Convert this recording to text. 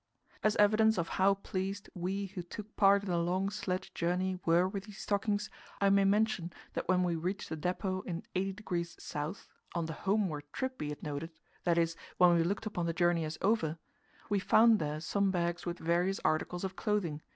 As evidence of how pleased we who took part in the long sledge journey were with these stockings, I may mention that when we reached the depot in 80°S. on the homeward trip, be it noted; that is, when we looked upon the journey as over we found there some bags with various articles of clothing.